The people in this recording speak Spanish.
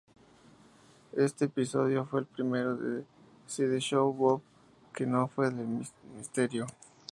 Este episodio fue el primero de Sideshow Bob que no fue de misterio.